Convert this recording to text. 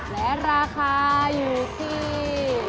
และราคาอยู่ที่